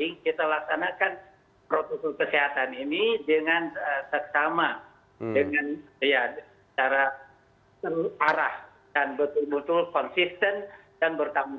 dan kita laksanakan juga untuk kesehatan ini dengan tersama dengan cara terarah dan betul betul konsisten dan bertanggung jawab